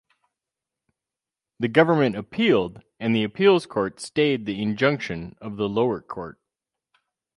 The Government appealed and the appeals court stayed the injunction of the lower court.